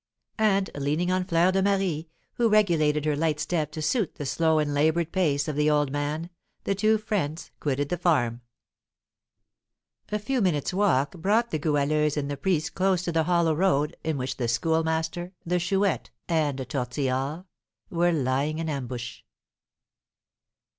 And, leaning on Fleur de Marie, who regulated her light step to suit the slow and laboured pace of the old man, the two friends quitted the farm. A few minutes' walk brought the Goualeuse and the priest close to the hollow road in which the Schoolmaster, the Chouette, and Tortillard, were lying in ambush.